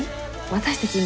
私たち